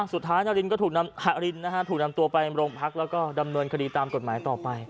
นารินก็ถูกนำฮารินถูกนำตัวไปโรงพักแล้วก็ดำเนินคดีตามกฎหมายต่อไป